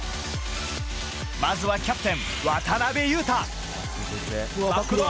まずはキャプテン・渡邊雄太。